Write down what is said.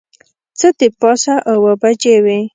څه د پاسه اوه بجې وې.